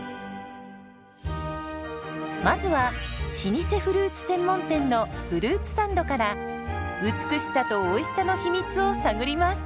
まずは老舗フルーツ専門店のフルーツサンドから美しさとおいしさの秘密を探ります。